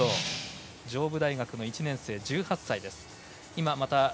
上武大学の１年生１８歳です。